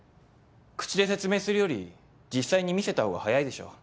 口で説明するより実際に見せた方が早いでしょう。